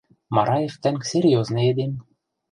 — Мараев тӓнг серьёзный эдем...